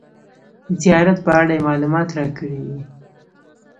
زیارت په اړه یې معلومات راکړي دي.